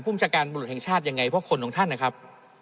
ชาการบรุษแห่งชาติยังไงเพราะคนของท่านนะครับ